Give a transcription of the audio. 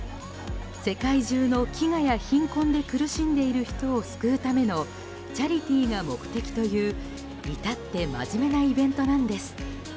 世界中の飢餓や貧困で苦しんでいる人を救うためのチャリティーが目的という至って真面目なイベントなんです。